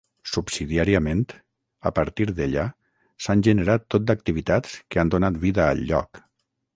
Subsidiàriament, a partir d'ella, s'han generat tot d'activitats que han donat vida al lloc.